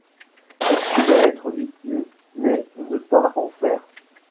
Elle pouvait être victime, mais ne pas en faire.